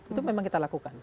itu memang kita lakukan